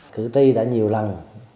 cứ đi đã nhiều lần